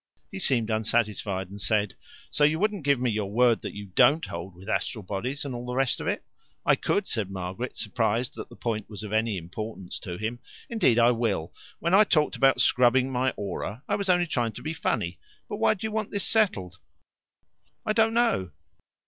He seemed unsatisfied, and said: "So you wouldn't give me your word that you DON'T hold with astral bodies and all the rest of it?" "I could," said Margaret, surprised that the point was of any importance to him. "Indeed, I will. When I talked about scrubbing my aura, I was only trying to be funny. But why do you want this settled?" "I don't know."